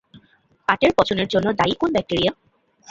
পাটের পচনের জন্য দায়ী কোন ব্যাকটেরিয়া?